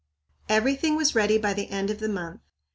Everything was ready by the end of the month.